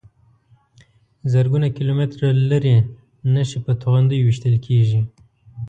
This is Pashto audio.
زرګونه کیلومتره لرې نښې په توغندیو ویشتل کېږي.